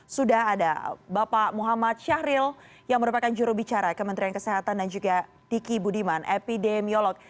sudah ada bapak muhammad syahril yang merupakan jurubicara kementerian kesehatan dan juga diki budiman epidemiolog